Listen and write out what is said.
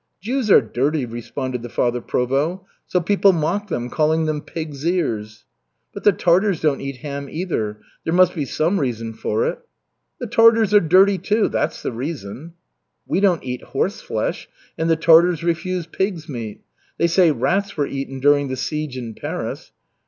"Jews are dirty," responded the Father Provost. "So people mock them, calling them 'pig's ears.'" "But the Tartars don't eat ham either. There must be some reason for it." "The Tartars are dirty, too. That's the reason." "We don't eat horse flesh, and the Tartars refuse pigs' meat. They say rats were eaten during the siege in Paris."